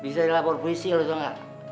bisa dilapor puisi lu tau gak